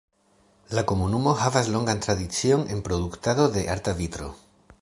La komunumo havas longan tradicion en produktado de arta vitro.